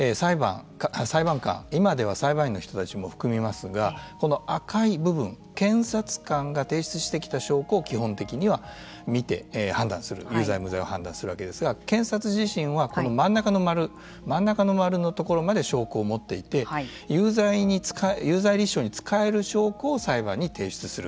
裁判官今では裁判員の人たちも含みますがこの赤い部分検察官が提出してきた証拠を基本的には見て判断する有罪無罪を判断するわけですが検察自身はこの真ん中の丸真ん中の丸のところまで証拠を持っていて有罪立証に使える証拠を裁判に提出する。